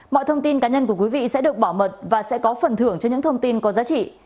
mọi thông tin cá nhân của quý vị sẽ được bảo mật và sẽ có phần thưởng cho những thông tin có giá trị